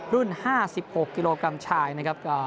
๕๖กิโลกรัมชายนะครับ